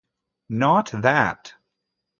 Not that!